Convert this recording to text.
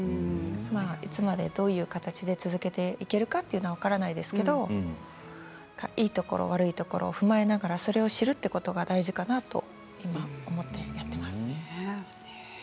いつまで、どういう形で続けていけるかということは分かりませんけれどいいところ悪いところを踏まえながらそれを知るということが大事かなと今思っています。